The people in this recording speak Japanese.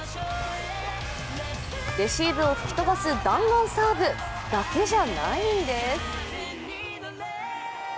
レシーブを吹き飛ばす弾丸サーブだけじゃないんです。